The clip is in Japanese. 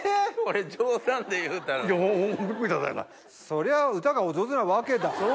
そりゃ歌がお上手なわけだはぁ！